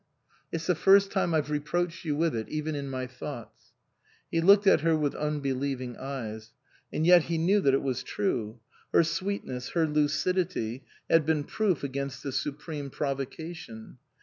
" It's the first time I've reproached you with it, even in my thoughts." He looked at her with unbelieving eyes. And yet he knew that it was true. Her sweetness, her lucidity, had been proof against the supreme provocation.